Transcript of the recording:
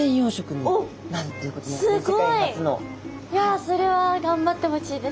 それは頑張ってほしいです